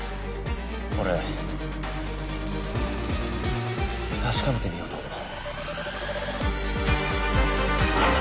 俺確かめてみようと思う。